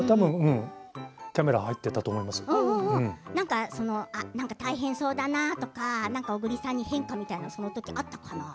たぶん大変そうだなとか小栗さんに変化みたいなのはそのときにあったかな。